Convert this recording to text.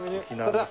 これだ！